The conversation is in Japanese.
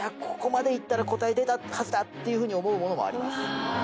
ここまでいったら答え出たはずだっていうふうに思うものもあります